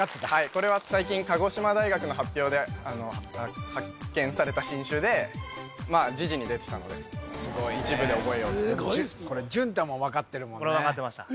これは最近鹿児島大学の発表で発見された新種で時事に出てたので一部で覚えようとこれ分かってました